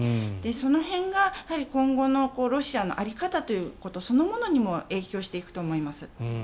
その辺が今後のロシアの在り方ということそのものにも影響していくと思います。